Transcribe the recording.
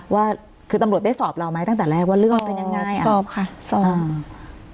ว่าคือตำรวจได้สอบเราไหมตั้งแต่แรกว่าเรื่องมันเป็นยังไงอ่ะสอบค่ะสอบอ่า